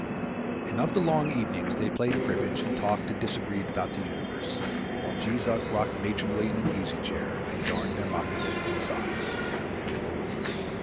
And of the long evenings they played cribbage and talked and disagreed about the universe, the while Jees Uck rocked matronly in an easy chair and darned their moccasins and socks.